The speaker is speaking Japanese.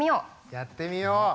やってみよう。